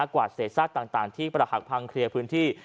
กวาดเศษซากต่างที่ประหักพังเคลียร์พื้นที่